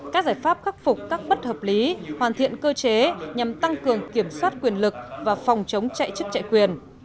các giải pháp khắc phục các bất hợp lý hoàn thiện cơ chế nhằm tăng cường kiểm soát quyền lực và phòng chống chạy chức chạy quyền